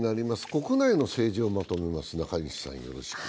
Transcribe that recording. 国内の政治をまとめます。